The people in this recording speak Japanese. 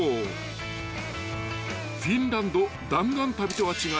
［フィンランド弾丸旅とは違い